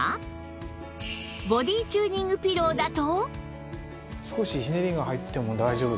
ボディチューニングピローだと